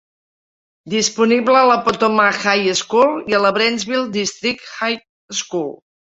Disponible a la Potomac High School i a la Brentsville District High School.